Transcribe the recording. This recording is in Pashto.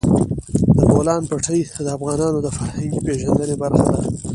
د بولان پټي د افغانانو د فرهنګي پیژندنې برخه ده.